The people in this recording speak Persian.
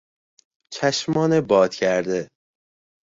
چشمان باد کرده